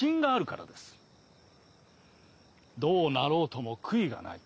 どうなろうとも悔いがない。